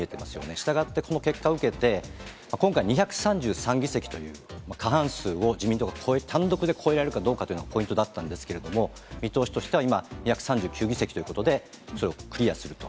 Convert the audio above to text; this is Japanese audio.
したがってこの結果を受けて、今回、２３３議席という過半数を自民党が単独で超えられるかどうかというのがポイントだったんですけれども、見通しとしては今、２３９議席ということで、それをクリアすると。